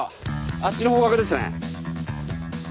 あっちの方角ですね。